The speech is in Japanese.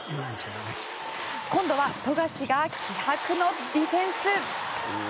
今度は富樫が気迫のディフェンス。